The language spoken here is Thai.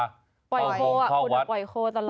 เข้าโรงเข้าวัดปล่อยโค้นตลอดคุณปล่อยโค้